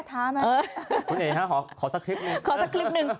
คุณเอ๋ขอสักคลิปหนึ่ง